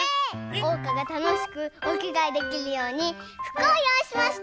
おうかがたのしくおきがえできるようにふくをよういしました！